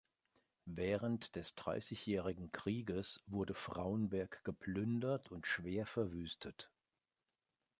Während des Dreißigjährigen Krieges wurde Fraunberg geplündert und schwer verwüstet.